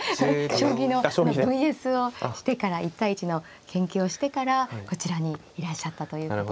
将棋のＶＳをしてから１対１の研究をしてからこちらにいらっしゃったということですよ。